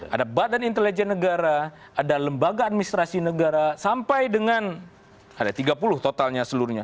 ada badan intelijen negara ada lembaga administrasi negara sampai dengan ada tiga puluh totalnya seluruhnya